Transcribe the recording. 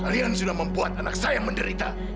kalian sudah membuat anak saya menderita